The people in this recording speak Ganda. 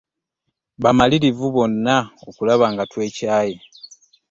Bamalirivu bonna okulaba nga twekyaye.